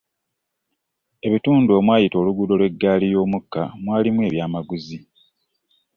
Ebitundu omwayita oluguudo lw'eggaali y'omukka mwalimu ebyamaguzi.